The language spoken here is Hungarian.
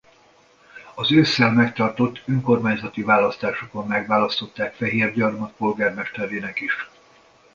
Az ősszel megtartott önkormányzati választásokon megválasztották Fehérgyarmat polgármesterének is.